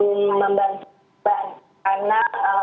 telah memutuskan hukuman akhir di hidupnya